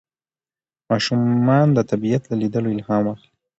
ماشومان د طبیعت له لیدلو الهام اخلي